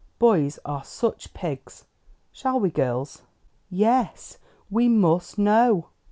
"Boys are such pigs! Shall we, girls?" "Yes, we must know."